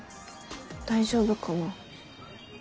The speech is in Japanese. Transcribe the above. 大丈夫かな。